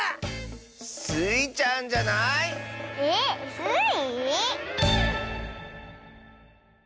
スイちゃんじゃない⁉えっスイ？